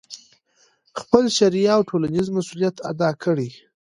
خپل شرعي او ټولنیز مسؤلیت ادا کړي،